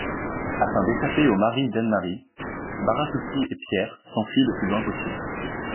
Afin d’échapper au mari d’Anne-Marie, Barazzutti et Pierre s’enfuient le plus loin possible.